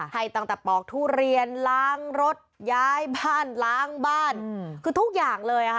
ให้ตั้งแต่ปอกทุเรียนล้างรถย้ายบ้านล้างบ้านคือทุกอย่างเลยค่ะ